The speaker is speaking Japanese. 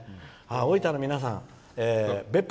大分の皆さん「別府！